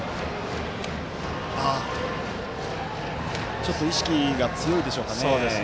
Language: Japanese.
ちょっと意識が強いでしょうかね。